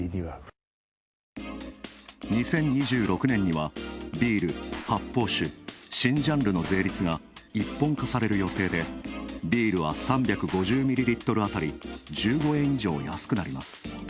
２０２６年には、ビール、発泡酒、新ジャンルの税率が、一本化される予定で、ビールは３５０ミリリットル当たり１５円以上安くなります。